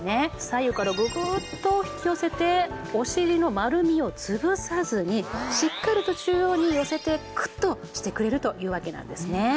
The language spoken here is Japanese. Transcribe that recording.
左右からググッと引き寄せてお尻の丸みをつぶさずにしっかりと中央に寄せてクッとしてくれるというわけなんですね。